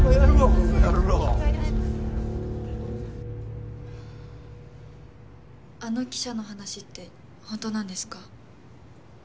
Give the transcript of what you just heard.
この野郎あの記者の話ってホントなんですか？